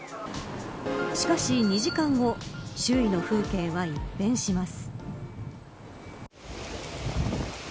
しかし、２時間後周囲の風景は一変します。